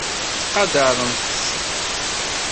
Ttqadarent-t.